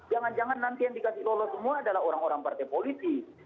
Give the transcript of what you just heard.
jangan jangan nanti yang dikasih lolos semua adalah orang orang partai politik